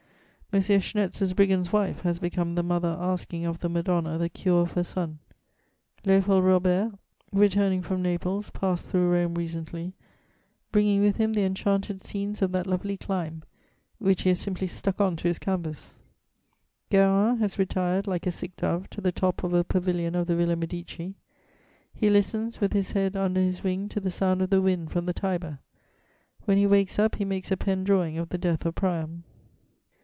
M. Schnetz's Brigand's Wife has become the mother asking of the Madonna the cure of her son. Léopold Robert, returning from Naples, passed through Rome recently, bringing with him the enchanted scenes of that lovely clime, which he has simply stuck on to his canvas. [Sidenote: Guérin, Horace Vernet, Quecq.] Guérin has retired, like a sick dove, to the top of a pavilion of the Villa Medici. He listens, with his head under his wing, to the sound of the wind from the Tiber; when he wakes up, he makes a pen drawing of the Death of Priam.